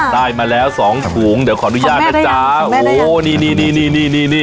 ได้มาแล้วสองถุงเดี๋ยวขออนุญาตนะจ๊ะขอแม่ได้ยังขอแม่ได้ยังโหนี่นี่นี่นี่นี่นี่นี่